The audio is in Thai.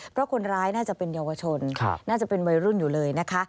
เพราะคนร้ายน่าจะเป็นเยาวชนน่าจะเป็นวัยรุ่นอยู่เลยนะคะ